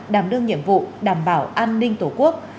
đảm đương nhiệm vụ đảm bảo an ninh tổ quốc